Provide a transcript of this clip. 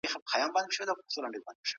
هغه کسان د پښو په لیدو حيران سول.